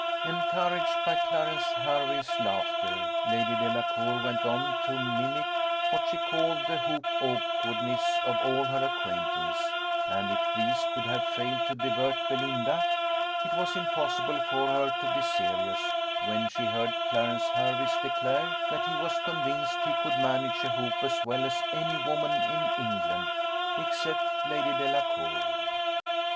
Encouraged by Clarence Hervey's laughter, Lady Delacour went on to mimic what she called the hoop awkwardness of all her acquaintance; and if these could have failed to divert Belinda, it was impossible for her to be serious when she heard Clarence Hervey declare that he was convinced he could manage a hoop as well as any woman in England, except Lady Delacour.